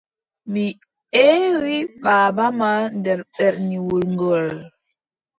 Mi eewi baaba ma nder berniwol ngool.